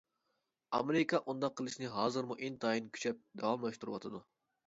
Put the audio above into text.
ئامېرىكا ئۇنداق قىلىشنى ھازىرمۇ ئىنتايىن كۈچەپ داۋاملاشتۇرۇۋاتىدۇ.